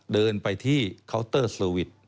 เดินไปที่เคาน์เตอร์สวิต